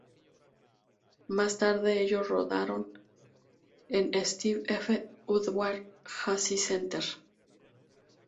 Más tarde, ellos rodaron en Steven F. Udvar-Hazy Center.